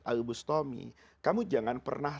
al bustami kamu jangan pernah